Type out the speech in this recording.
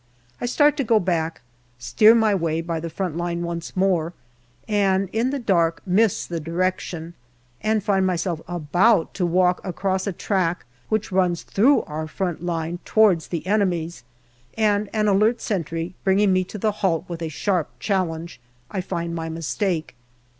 I start to go back, steer my way by the front line once more and in the dark miss the direction, and find myself about to walk across a track which runs through our front line towards the enemy's and an alert sentry bringing me to the halt with a sharp challenge, I find my mistake.